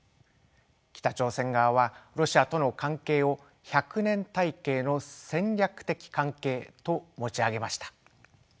北朝鮮側はロシアとの関係を百年大計の戦略的関係と持ち上げました。